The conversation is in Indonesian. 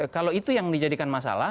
kalau itu yang dijadikan masalah